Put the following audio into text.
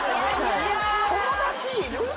友達いる？